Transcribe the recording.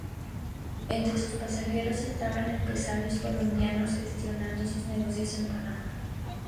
Entre sus pasajeros estaban empresarios colombianos gestionando sus negocios en Panamá.